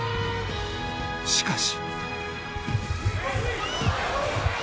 しかし。